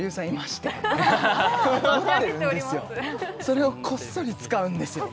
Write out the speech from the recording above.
それをこっそり使うんですよ